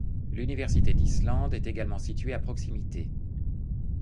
L'Université d'Islande est également située à proximité.